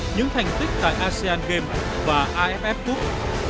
những thành tích tại asean games và aff cup